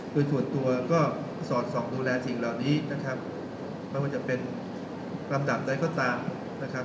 คือส่วนตัวก็สอดส่องดูแลสิ่งเหล่านี้นะครับไม่ว่าจะเป็นลำดับใดก็ตามนะครับ